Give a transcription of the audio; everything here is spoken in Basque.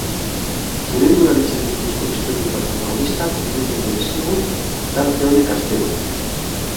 Txirrindularitzari buruzko istorio eta protagonistak hurbilduko dizkigu tarte honek astero.